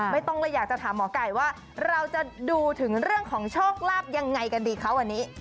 ไม่ต้องเลยอยากจะถามหมอไก่ว่าเราจะดูถึงเรื่องของโชคลาภยังไงกันดีคะวันนี้